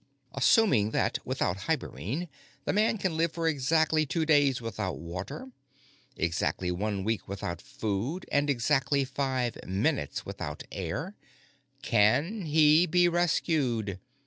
"Assuming that, without hibernine, the man can live for exactly two days without water, exactly one week without food, and exactly five minutes without air, can he be rescued?